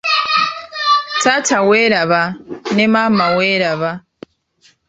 Taata weeraba ne maama weeraba.